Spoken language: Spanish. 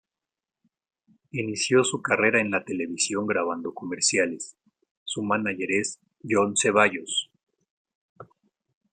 Inició su carrera en la televisión grabando comerciales, su mánager es John Ceballos.